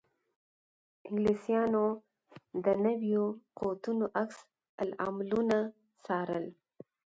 انګلیسیانو د نویو قوتونو عکس العملونه څارل.